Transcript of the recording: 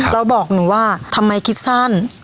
แล้วบอกหนูว่าทำไมคิดสั้น